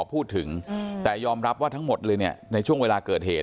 พูดถึงแต่ยอมรับว่าทั้งหมดเลยเนี่ยในช่วงเวลาเกิดเหตุ